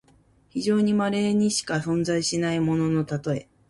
非常にまれにしか存在しないもののたとえ。